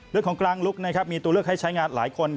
เลือกของกลางลูกมีตัวเลือกให้ใช้งานหลายคน